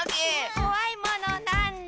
「こわいものなんだ？」